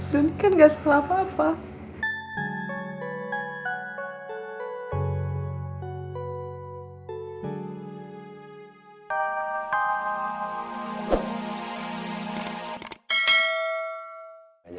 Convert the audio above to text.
doni kan gak setelah papa